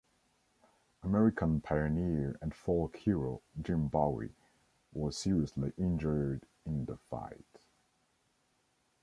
American pioneer and folk hero Jim Bowie was seriously injured in the fight.